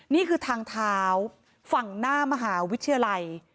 นี่คือทางเท้าฝั่งหน้ามหาวิทยาลัย